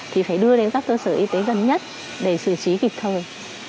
thì phải đưa đến các tư sở y tế gần nhất để xử trí kịch thầu